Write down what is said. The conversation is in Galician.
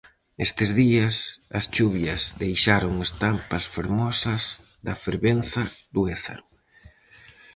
Estes días, as chuvias deixaron estampas fermosas da fervenza do Ézaro.